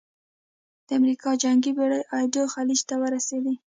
د امریکا جنګي بېړۍ ایدو خلیج ته ورسېدې.